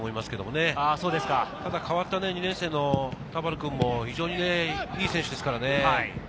ただ代わった２年生の田原君も非常にいい選手ですからね。